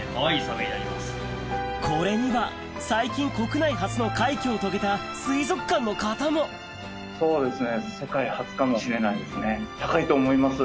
これには最近国内初の快挙を遂げた水族館の方もそうですね。